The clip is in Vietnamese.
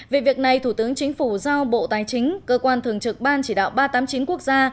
về việc này thủ tướng chính phủ giao bộ tài chính cơ quan thường trực ban chỉ đạo ba trăm tám mươi chín quốc gia